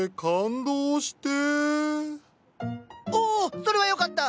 おおそれはよかった！